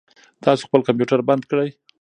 تاسو خپل کمپیوټر بند کړئ.